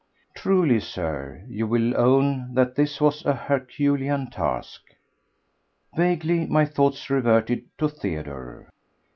Truly, Sir, you will own that this was a herculean task. Vaguely my thoughts reverted to Theodore.